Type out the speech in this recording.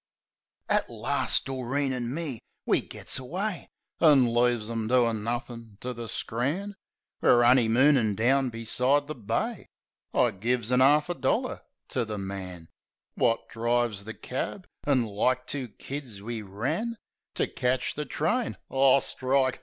At last Doreen an' me we gits away. An' leaves 'em doin' nothin' to the scran. (We're honey moonin' down beside the Bay.) I gives a 'arf a dollar to the man Wot drives the cab; an' like two kids we ran To ketch the train — Ah, strike!